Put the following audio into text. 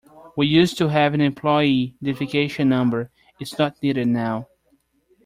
We used to have an employee identification number, it's not needed now.